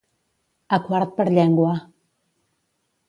A quart per llengua.